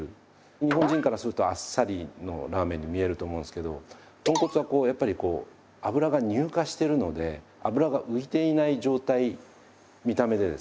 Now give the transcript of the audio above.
日本人からするとあっさりのラーメンに見えると思うんですけど豚骨はやっぱり脂が乳化してるので脂が浮いていない状態見た目でですね。